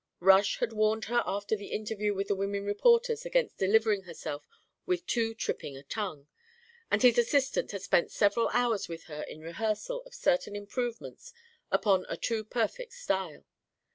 Rush had warned her after the interview with the women reporters against delivering herself with too tripping a tongue, and his assistant had spent several hours with her in rehearsal of certain improvements upon a too perfect style.